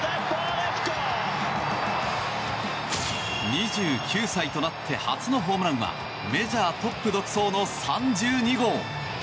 ２９歳となって初のホームランはメジャートップ独走の３２号。